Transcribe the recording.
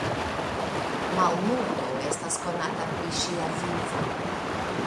Malmulto estas konata pri ŝia vivo.